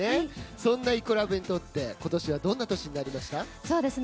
そんなイコラブにとって今年はどんな年になりましたか？